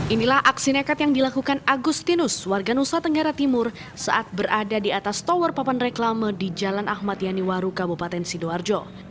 inilah aksi nekat yang dilakukan agustinus warga nusa tenggara timur saat berada di atas tower papan reklame di jalan ahmad yaniwaru kabupaten sidoarjo